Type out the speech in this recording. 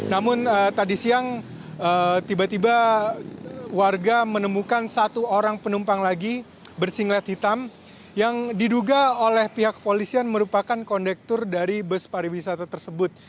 namun tadi siang tiba tiba warga menemukan satu orang penumpang lagi bersinglet hitam yang diduga oleh pihak kepolisian merupakan kondektur dari bus pariwisata tersebut